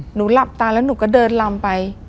หนูหลับตาแล้วหนูก็เดินลำไป